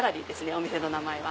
お店の名前は。